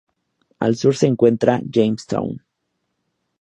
Al sur se encuentra Jamestown.